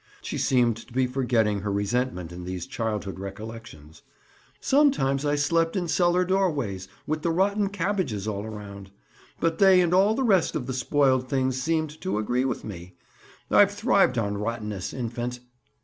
She seemed to be forgetting her resentment in these childhood recollections. "Sometimes I slept in cellar doorways, with the rotten cabbages all around. But they and all the rest of the spoiled things seemed to agree with me. I've thrived on rottenness, Infant!"